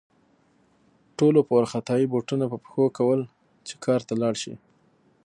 ټولو په وارخطايي بوټونه په پښو کول چې کار ته لاړ شي